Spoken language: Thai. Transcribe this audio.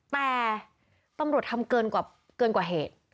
แต่ตำรวจทำเกินกว่าเกินกว่าเหตุ